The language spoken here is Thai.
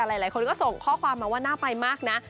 หลายคนก็ส่งข้อความมาว่าน่าไปมากนะ